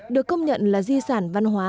được công nhận là di sản văn hóa